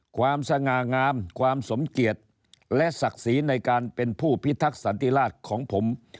ความสง่างามความสมเกียรติและศักดิ์ศรีในการเป็นผู้พิทักษันติราชของผม